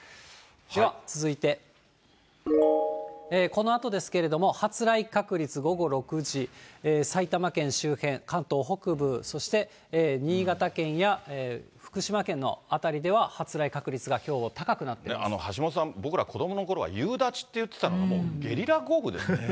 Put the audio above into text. では続いて、このあとですけれども、発雷確率、午後６時、埼玉県周辺、関東北部、そして新潟県や福島県の辺りでは発雷確率がきょう高くなっていま橋下さん、僕ら子どものころは夕立って言ってたのがもうゲリラ豪雨ですね。